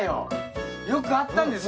よくあったんだよ。